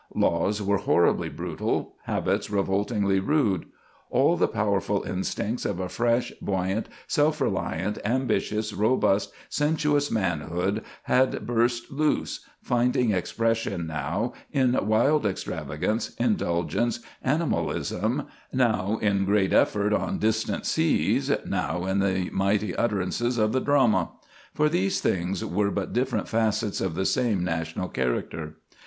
Laws were horribly brutal, habits revoltingly rude. All the powerful instincts of a fresh, buoyant, self reliant, ambitious, robust, sensuous manhood had burst loose, finding expression now in wild extravagance, indulgence, animalism, now in great effort on distant seas, now in the mighty utterances of the drama; for these things were but different facets of the same national character.